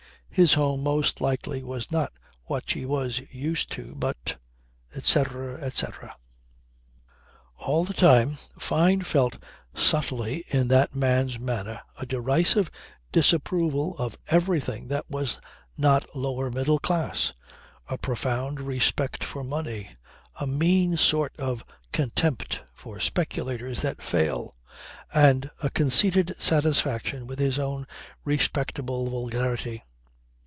His home most likely was not what she had been used to but, etc. etc. All the time Fyne felt subtly in that man's manner a derisive disapproval of everything that was not lower middle class, a profound respect for money, a mean sort of contempt for speculators that fail, and a conceited satisfaction with his own respectable vulgarity.